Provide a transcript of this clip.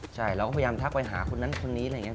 ใช่เราก็พยายามทักไปหาคนนั้นคนนี้อะไรอย่างนี้